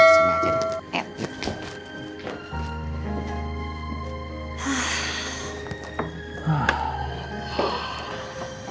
sini aja dong